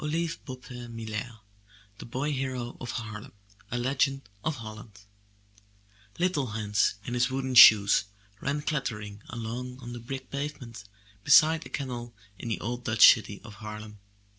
M Y BOOK HOUSE THE BOY HERO OF HARLEM A Legend of Holland Little Hans, in his wooden shoes, ran clattering along on the brick pavement beside a canal in the old Dutch city of Harlem.